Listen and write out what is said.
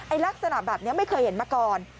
ลักษณะแบบนี้ไม่เคยเห็นมาก่อน